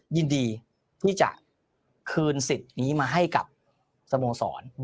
ยินดีที่จะคืนสิทธิ์นี้มาให้กับสโมสร